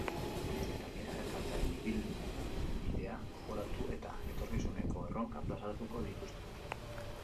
Gainera, elkartearen ibilbidea gogoratu eta etorkizuneko erronkak plazaratuko dituzte.